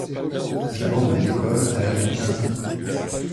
Il abandonne l'école à l'âge de quinze ans.